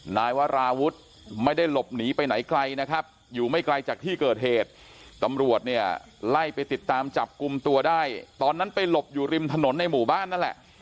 นายวราวุฒิไม่ได้หลบหนีไปไหนไกลนะครับอยู่ไม่ไกลจากที่เกิดเหตุตำรวจเนี่ยไล่ไปติดตามจับกลุ่มตัวได้ตอนนั้นไปหลบอยู่ริมถนนในหมู่บ้านนั่นแหละ